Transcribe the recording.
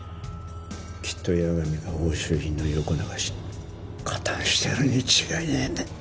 きっと矢上が押収品の横流しに加担してるに違いねえんだ！